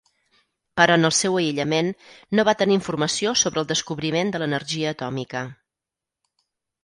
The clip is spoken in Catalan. Però en el seu aïllament, no va tenir informació sobre el descobriment de l'energia atòmica.